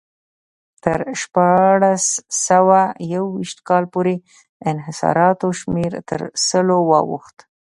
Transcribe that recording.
تر شپاړس سوه یو ویشت کال پورې انحصاراتو شمېر تر سلو واوښت.